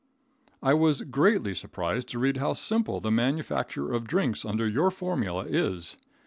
I was greatly surprised to read how simple the manufacture of drinks under your formula is.